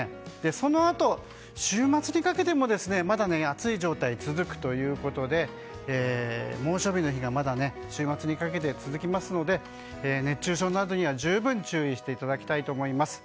そのあと週末にかけてもまだ暑い状態続くということで猛暑日の日がまだ週末にかけて続きますので熱中症などには十分注意していただきたいと思います。